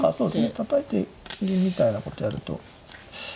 たたいて銀みたいなことやると。